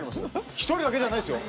１人だけじゃないっすよ。